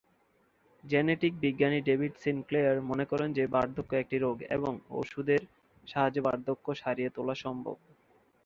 Genetic বিজ্ঞানী David Sinclair মনে করেন যে, বার্ধক্য একটি রোগ এবং ওষুধের সাহায্যে বার্ধক্য সারিয়ে তোলা সম্ভব।